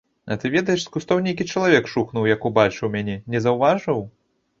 А ты ведаеш, з кустоў нейкі чалавек шухнуў, як убачыў мяне, не заўважыў?